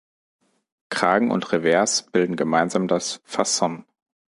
Kragen und Revers bilden gemeinsam das "Fasson".